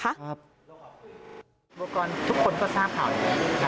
บุคลากรทุกคนก็ทราบข่าวอยู่